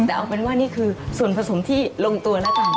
แต่เอาเป็นว่านี่คือส่วนผสมที่ลงตัวแล้วกัน